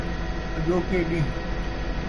اَڄوکے ݙین٘ہ